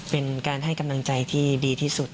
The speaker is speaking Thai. เป็นการให้กำลังใจที่ดีที่สุด